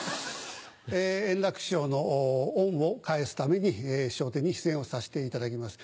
円楽師匠の恩を返すために『笑点』に出演をさせていただきます。